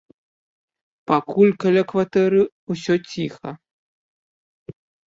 Пакуль каля кватэры ўсё ціха.